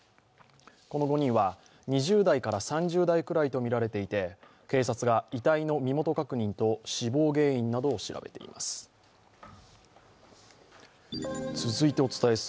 この５人は２０代から３０代くらいとみられていて警察が、遺体の身元確認と死亡原因などを調べています。